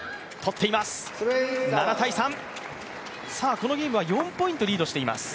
このゲームは、４ポイントリードしています。